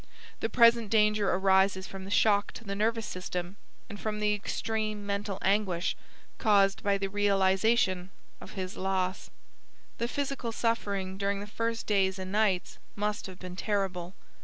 The present danger arises from the shock to the nervous system and from the extreme mental anguish caused by the realisation of his loss. The physical suffering during the first days and nights must have been terrible.